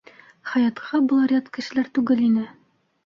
Хаятҡа былар ят кешеләр түгел ине.